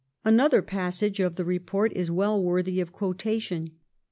Another passage of the report is well worthy of quotation.